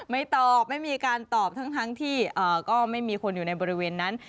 ไม่ตอบไม่มีการตอบทั้งที่ก็ไม่มีคนอยู่ในบริเวณนั้น